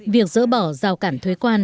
việc dỡ bỏ giao cản thuế quan